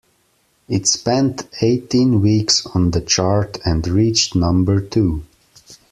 It spent eighteen weeks on the chart and reached number two.